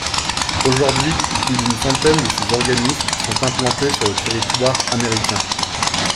Aujourd’hui, plus d’une centaine de ces organismes sont implantés sur le territoire américain.